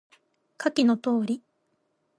下記の通り